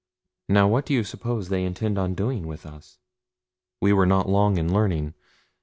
"Now what do you suppose they intend doing with us?" We were not long in learning.